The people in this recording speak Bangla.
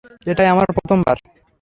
এটাই আমার প্রথমবার।